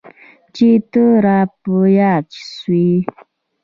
چي ته را په ياد سوې.